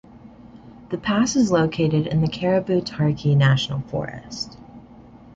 The pass is located in the Caribou-Targhee National Forest.